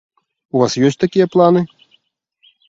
У вас ёсць такія планы?